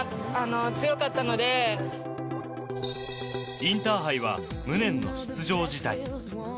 インターハイは無念の出場辞退。